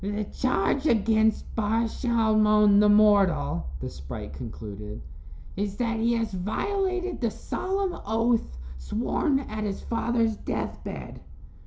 "The charge against Bar Shalmon, the mortal," the sprite concluded, "is that he has violated the solemn oath sworn at his father's death bed."